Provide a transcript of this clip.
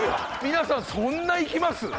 皆さんそんないきます？